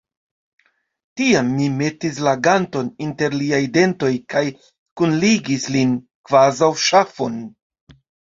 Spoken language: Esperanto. Tiam mi metis la ganton inter liaj dentoj kaj kunligis lin, kvazaŭ ŝafon.